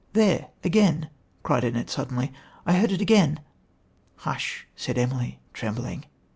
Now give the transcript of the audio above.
'There again,' cried Annette, suddenly, 'I heard it again.' 'Hush!' said Emily, trembling.